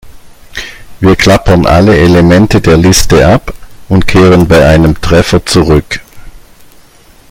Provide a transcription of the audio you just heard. Wir klappern alle Elemente der Liste ab und kehren bei einem Treffer zurück.